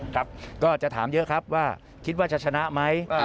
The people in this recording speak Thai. ครับก็จะถามเยอะครับว่าคิดว่าจะชนะไหม